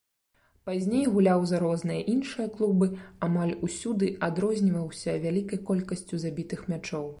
Пазней гуляў за розныя іншыя клубы, амаль усюды адрозніваўся вялікай колькасцю забітых мячоў.